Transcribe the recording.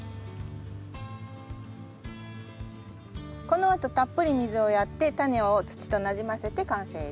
このあとたっぷり水をやってタネを土となじませて完成です。